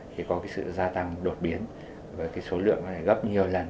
thì có sự gia tăng đột biến với số lượng gấp nhiều lần